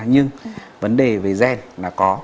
nhưng vấn đề về gen là có